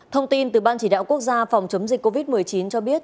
thông tin từ ban chỉ đạo quốc gia phòng chống dịch covid một mươi chín cho biết